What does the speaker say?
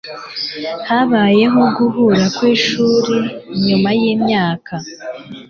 Habayeho guhura kwishuri nyuma yimyaka .